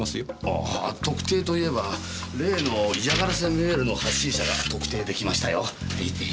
ああ特定と言えば例の嫌がらせメールの発信者が特定出来ましたよ。